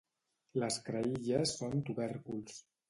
Les creïlles són tubèrculs.